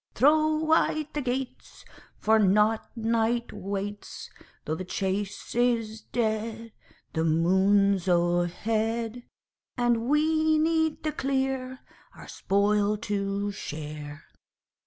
Throw wide the gates For nought night waits; Though the chase is dead The moon's o'erhead And we need the clear Our spoil to share.